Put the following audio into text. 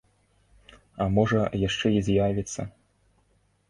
А можа яшчэ і з'явіцца?